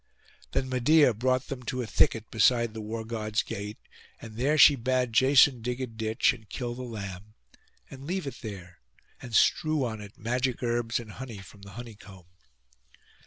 Then Medeia brought them to a thicket beside the War god's gate; and there she bade Jason dig a ditch, and kill the lamb, and leave it there, and strew on it magic herbs and honey from the honeycomb.